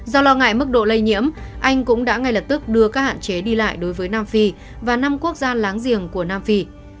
do lo ngại mức độ lây nhiễm anh cũng đã ngay lập tức đưa các hạn chế đi lại đối với nam phi và năm quốc gia láng giềng của nam phi